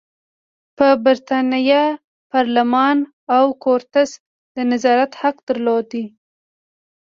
د برېتانیا پارلمان او کورتس د نظارت حق درلود.